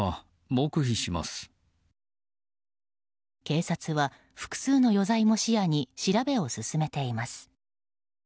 警察は、複数の余罪も視野に調べを進めています。